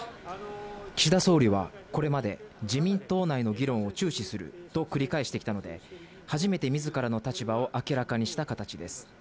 岸田総理はこれまで、自民党内の議論を注視すると繰り返してきたので、初めてみずからの立場を明らかにした形です。